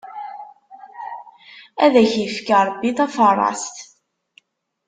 Ad ak-ifk, Ṛebbi taferrast!